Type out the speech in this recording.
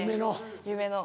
夢の。